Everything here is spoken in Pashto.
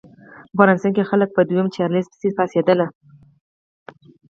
په فرانسه کې خلک په دویم چارلېز پسې پاڅېدل.